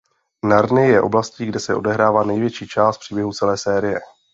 Narnie je oblastí kde se odehrává největší část příběhu celé série.